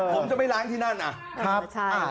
ผมจะไม่ล้างที่นั่น